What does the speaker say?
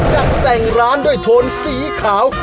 จัดแต่งร้านโดยโทนสีขาว